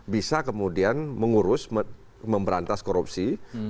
bisa kemudian mengurus memberantas korupsi